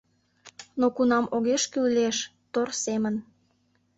Но кунам огеш кӱл лиеш, тор семын